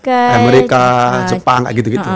amerika jepang gitu gitu